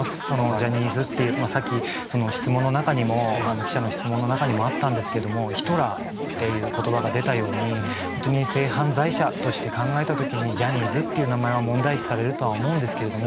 ジャニーズって、さっき質問の中にも記者の質問の中にもあったんですけれども、ヒトラーっていうことばが出たように、本当に性犯罪者として考えたときに、ジャニーズという名前が問題視されるとは思うんですけど、